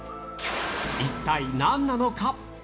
一体なんなのか。